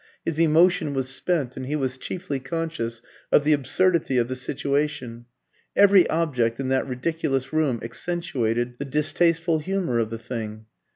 His emotion was spent, and he was chiefly conscious of the absurdity of the situation. Every object in that ridiculous room accentuated the distasteful humour of the thing.